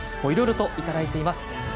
いろいろといただいています。